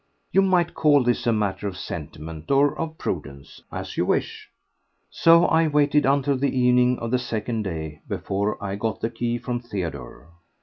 You might call this a matter of sentiment or of prudence, as you wish. So I waited until the evening of the second day before I got the key from Theodore.